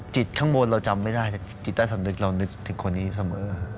ข้างบนเราจำไม่ได้จิตใต้สำนึกเรานึกถึงคนนี้เสมอ